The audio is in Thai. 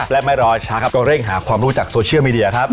และไม่รอช้าครับเราเร่งหาความรู้จากโซเชียลมีเดียครับ